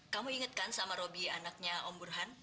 kamu inget kan sama roby anaknya om burhan